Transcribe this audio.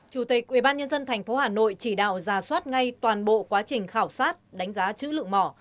chủ tịch ubnd tp hà nội chỉ đạo ra soát ngay toàn bộ quá trình khảo sát đánh giá chữ lượng mỏ